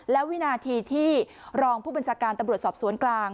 แล้ววินาทีที่รองผู้บัญชาการตำรวจสอบสวนกลาง